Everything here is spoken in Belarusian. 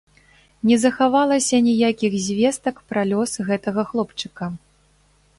Не захавалася ніякіх звестак пра лёс гэтага хлопчыка.